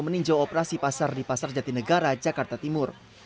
meninjau operasi pasar di pasar jatinegara jakarta timur